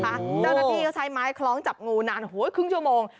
เจ้าหน้าที่ก็ใช้ไม้คล้องจับงูนานครึ่งชั่วโมง